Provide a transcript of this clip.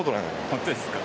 本当ですか？